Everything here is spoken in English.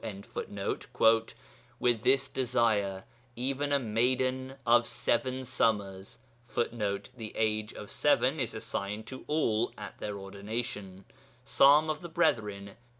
] 'With this desire even a maiden of seven summers [Footnote: 'The age of seven is assigned to all at their ordination' (Psalms of the Brethren, p.